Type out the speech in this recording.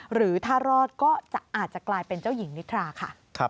หรือถ้ารอดก็อาจจะกลายเป็นเจ้าหญิงนิทราค่ะ